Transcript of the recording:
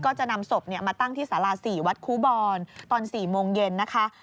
ก็จะนำศพมาตั้งที่สารา๔วัดครูบอลตอน๔โมงเย็นนะคะ